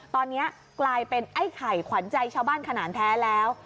ตอนนี้กลายเป็นไอ้ไข่ขวัญใจชาวบ้านขนาดแท้แล้ว